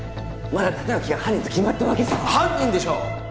まだ立脇が犯人と決まったわけじゃ犯人でしょ！